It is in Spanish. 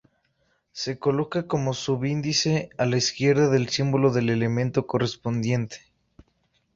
Se coloca como subíndice a la izquierda del símbolo del elemento correspondiente.